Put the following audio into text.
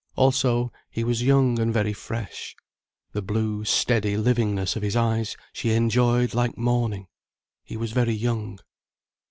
Also he was young and very fresh. The blue, steady livingness of his eyes she enjoyed like morning. He was very young.